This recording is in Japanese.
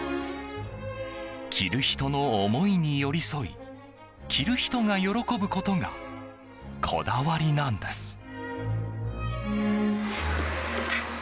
着る人の思いに寄り添い着る人が喜ぶことがこだわりなんです。